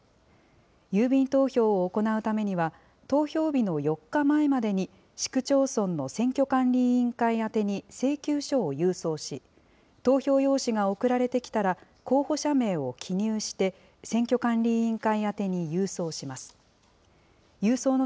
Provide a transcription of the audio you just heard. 郵便投票を行うためには、投票日の４日前までに市区町村の選挙管理委員会宛てに請求書を郵送し、投票用紙が送られてきたら、候補者名を記入して、選挙管理委員会宛てに郵送します。